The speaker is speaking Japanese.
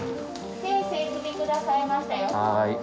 先生来てくださいましたよ